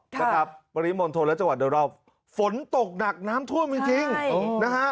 นะครับปริมณฑลและจังหวัดโดยรอบฝนตกหนักน้ำท่วมจริงจริงนะฮะ